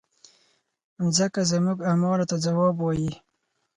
مځکه زموږ اعمالو ته ځواب وایي.